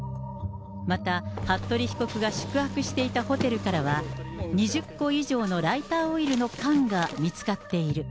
また、服部被告が宿泊していたホテルからは、２０個以上のライターオイルの缶が見つかっている。